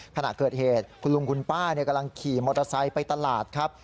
ขณะเกิดเหตุคุณลุงคุณป้ากำลังขี่มอเตอร์ไซค์ไปตลาดครับ